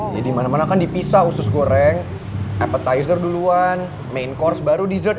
jadi dimana mana kan dipisah usus goreng appetizer duluan main course baru dessert